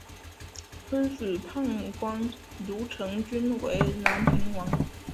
推举判官卢成均为南平王。